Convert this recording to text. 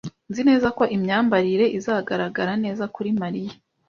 Nzi neza ko imyambarire izagaragara neza kuri Mariya